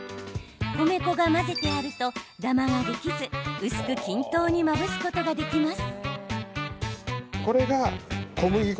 米粉が混ぜてあるとダマができず薄く均等にまぶすことができます。